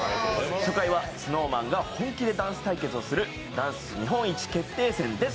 初回はＳｎｏｗＭａｎが本気でダンス対決をする本気ダンス対決です。